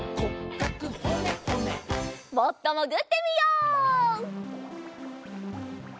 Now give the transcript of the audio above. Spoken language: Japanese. もっともぐってみよう。